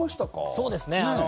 そうですね。